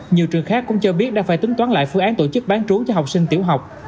nhiều trường khác cũng cho biết đã phải tính toán lại phương án tổ chức bán trú cho học sinh tiểu học